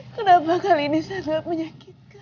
kenapa kali ini saya dapat menyakitkan